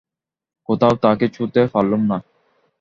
কোথাও তাঁকে ছুঁতেও পারলুম না।